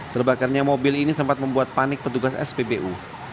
terbakarnya mobil ini sempat membuat panik petugas spbu